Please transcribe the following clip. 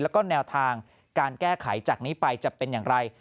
แล้วก็แนวทางการแก้ไขจากนี้ไปจะเป็นอย่างไร